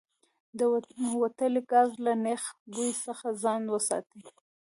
د وتلي ګاز له نیغ بوی څخه ځان وساتئ.